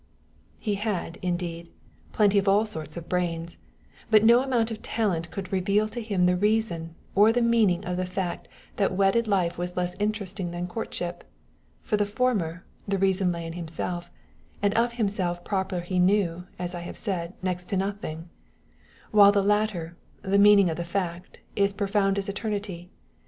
He had, indeed, plenty of all sorts of brains; but no amount of talent could reveal to him the reason or the meaning of the fact that wedded life was less interesting than courtship; for the former, the reason lay in himself, and of himself proper he knew, as I have said, next to nothing; while the latter, the meaning of the fact, is profound as eternity.